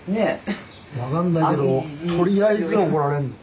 分かんないけどとりあえず怒られんの。